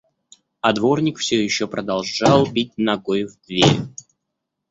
А дворник всё ещё продолжал бить ногой в дверь.